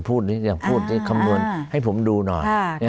พูดนิดเดี๋ยวพูดนิดคำนวนให้ผมดูหน่อย